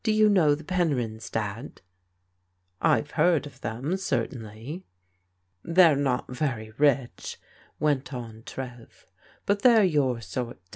Do you know the Penryns, Dad? "" I've heard of them, certainly." " They're not very rich," went on Trev, " but they're your sort.